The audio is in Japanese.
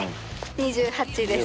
２８です。